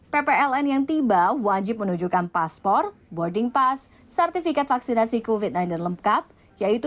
ppln yang tiba wajib menunjukkan paspor boarding pass sertifikat vaksinasi covid sembilan belas lengkap yaitu